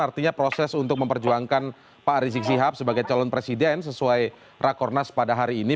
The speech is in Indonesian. artinya proses untuk memperjuangkan pak rizik sihab sebagai calon presiden sesuai rakornas pada hari ini